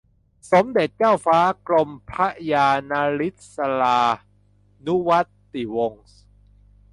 สมเด็จเจ้าฟ้ากรมพระยานริศรานุวัติวงศ์